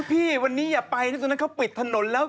พี่วันนี้อย่าไปที่ตรงนั้นเขาปิดถนนแล้ว